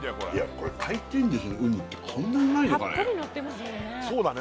これ回転寿司のウニってこんなうまいのかね？